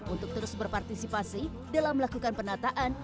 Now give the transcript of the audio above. untuk terus berpartisipasi dalam melakukan penataan